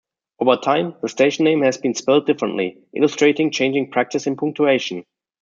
Over time, the station name has been spelt differently, illustrating changing practice in punctuation.